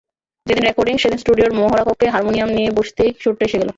যেদিন রেকর্ডিং, সেদিন স্টুডিওর মহড়াকক্ষে হারমোনিয়াম নিয়ে বসতেই সুরটা এসে গেল।